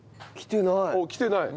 きてない。